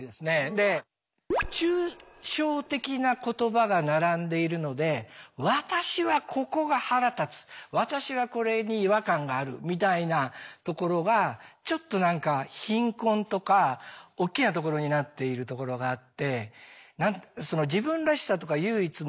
で抽象的な言葉が並んでいるので「私はここが腹立つ」「私はこれに違和感がある」みたいなところがちょっと何か貧困とかおっきなところになっているところがあって。